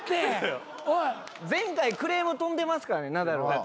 前回クレーム飛んでますからねナダルは。